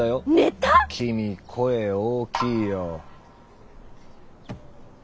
⁉君声大きいよ。